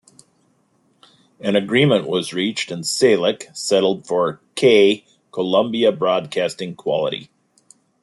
An "agreement" was reached and Salek settled for "K-Columbia-Broadcasting-Quality".